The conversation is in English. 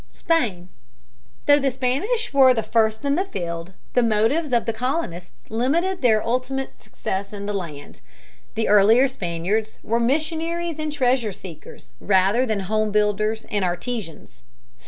SPAIN. Though the Spanish were the first in the field, the motives of the colonists limited their ultimate success in the new land. The earlier Spaniards were missionaries and treasure seekers, rather than home builders and artisans.